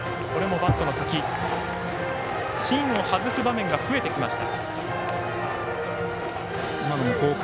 芯を外す場面が増えてきました。